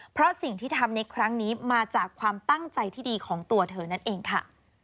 เพราะสิ่งที่ทำในครั้งนี้มาจากความตั้งใจที่ดีของตัวเธอนั่นเองค่ะ